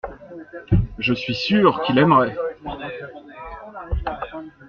Je suis sûr qu’il aimerait.